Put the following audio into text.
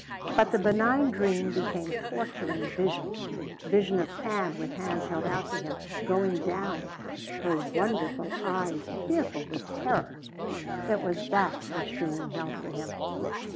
But the benign dream became torturing vision vision of Ann with hands held out to him going down her wonderful eyes fearful with terror. It was that which dreaming held for him.